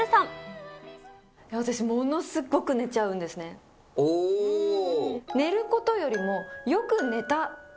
私、ものすごく寝ちゃうんでおー。寝ることよりも、よく寝たと